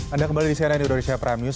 anda kembali di cnn indonesia prime news